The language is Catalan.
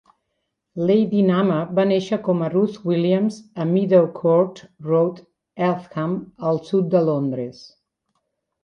Lady Khama va néixer com a Ruth Williams a Meadowcourt Road, Eltham, al sud de Londres.